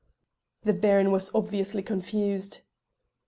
The Baron was obviously confused.